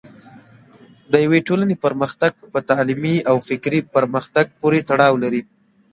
د یوې ټولنې پرمختګ په تعلیمي او فکري پرمختګ پورې تړاو لري.